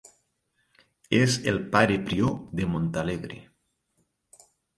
És el pare prior de Montalegre.